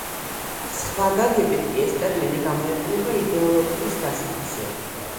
სხვა გაგებით კი ეს ტერმინი გამოიყენება იდეოლოგიის დასახასიათებლად.